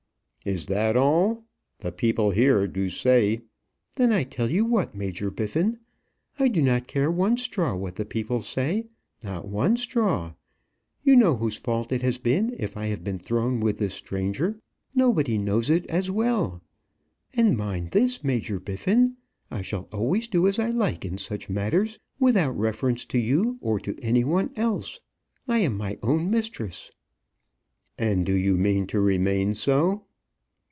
"Is that all? The people here do say " "Then I tell you what, Major Biffin, I do not care one straw what the people say not one straw. You know whose fault it has been if I have been thrown with this stranger. Nobody knows it as well. And mind this, Major Biffin, I shall always do as I like in such matters without reference to you or to any one else. I am my own mistress." "And do you mean to remain so?"